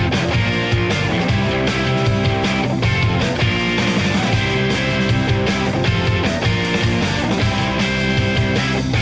ได้เอาหน่อย